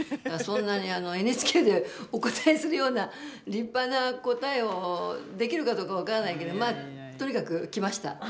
そんなにＮＨＫでお答えするような立派な答えをできるかどうか分からないけどまあとにかく来ました。